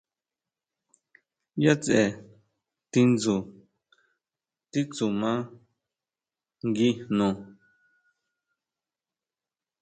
¿ʼYá tseʼe tindsu titsuma ngui jno?